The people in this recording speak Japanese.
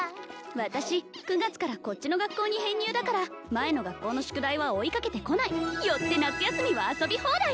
私９月からこっちの学校に編入だから前の学校の宿題は追いかけてこないよって夏休みは遊び放題！